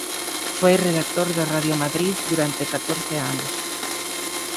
Foi redactor de Radio Madrid durante catorce anos.